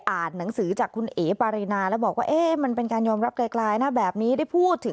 อ่านหนังสือจากคุณเอะปริรินาแล้วบอกว่ามันเป็นการยอมรับได้ไกลเนาะแบบนี้